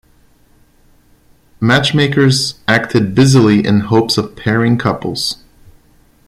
Matchmakers acted busily in hopes of pairing couples.